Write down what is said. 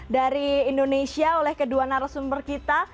dari indonesia oleh kedua narasumber kita